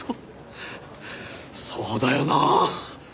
そうだよな！